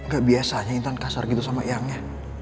gak biasanya intan kasar gitu sama yangnya